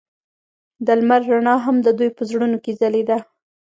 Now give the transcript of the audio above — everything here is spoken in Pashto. د لمر رڼا هم د دوی په زړونو کې ځلېده.